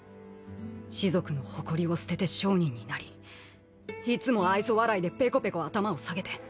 士族の誇りを捨てて商人になりいつも愛想笑いでペコペコ頭を下げて。